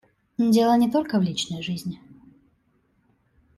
Дело не только в личной жизни.